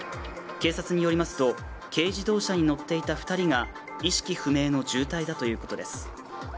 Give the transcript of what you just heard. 警察によりますと軽自動車に乗っていた２人が意識不明の重体だということです